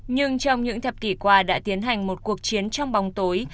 nhưng trong những thập kỷ qua đã tiến hành một cuộc chiến trong bóng tối